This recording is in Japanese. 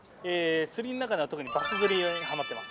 釣りの中では特にバス釣りにはまってます。